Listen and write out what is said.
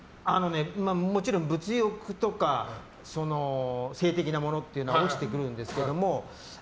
もちろん物欲とか性的なものっていうのは落ちてくるんですけど。